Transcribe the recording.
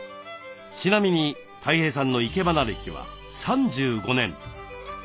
ちなみにたい平さんの生け花歴は３５年。